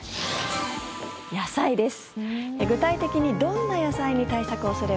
野菜です。